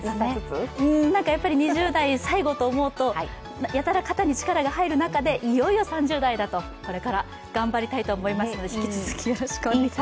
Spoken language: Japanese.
なんか、２０代最後と思うとやたら肩に力が入る中で、いよいよ３０代だとこれから頑張りたいと思いますのので、引き続きよろしくお願いいたします。